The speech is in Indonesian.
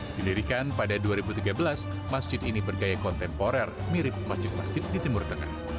didirikan pada dua ribu tiga belas masjid ini bergaya kontemporer mirip masjid masjid di timur tengah